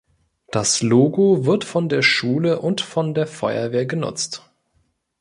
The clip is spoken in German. Das Logo wird von der Schule und von der Feuerwehr genutzt.